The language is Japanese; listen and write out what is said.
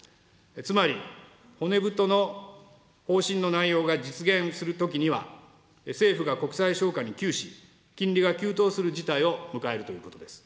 つまり、骨太の方針の内容が実現するときには政府が国債消化に窮し、金利が急騰する事態を迎えるということです。